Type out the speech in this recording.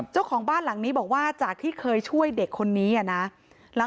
เจ้าของบ้านหลังนี้บอกว่าจากที่เคยช่วยเด็กคนนี้นะ